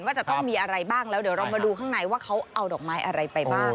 ว่าจะต้องมีอะไรบ้างแล้วเดี๋ยวเรามาดูข้างในว่าเขาเอาดอกไม้อะไรไปบ้าง